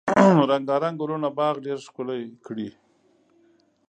رنګارنګ ګلونه باغ ډیر ښکلی کړی.